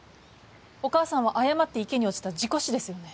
お母さんは誤って池に落ちた事故死ですよね？